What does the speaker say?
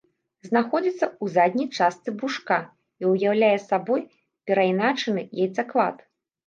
Знаходзіцца ў задняй частцы брушка і ўяўляе сабой перайначаны яйцаклад.